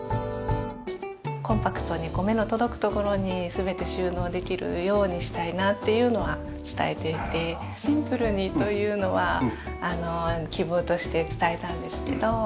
コンパクトに目の届く所に全て収納できるようにしたいなっていうのは伝えていてシンプルにというのは希望として伝えたんですけど。